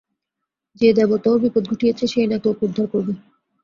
যে-দেবতা ওর বিপদ ঘটিয়েছে সেই নাকি ওকে উদ্ধার করবে!